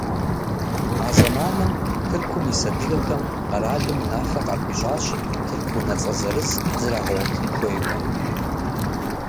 А зэманым Тыркум ис адыгэхэм къэралым унафэ къахуищӏащ тырку унэцӏэ зырыз зрагъэгъуэтын хуейуэ.